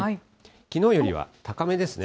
きのうよりは高めですね。